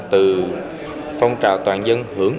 từ phong trào toàn dân hưởng